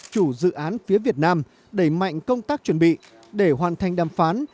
chủ dự án phía việt nam đẩy mạnh công tác chuẩn bị để hoàn thành đàm phán